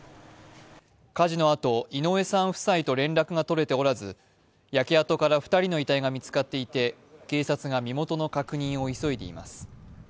火事のあと、井上さん夫妻と連絡が取れておらず焼け跡から２人の遺体が見つかっていて、警察が身元の確認を急いでいます。